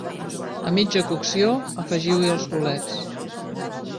A mitja cocció afegiu-hi els bolets.